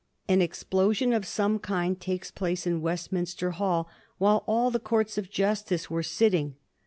An explosion of some kind takes place in Westminster Hall while all the courts of justice were sitting.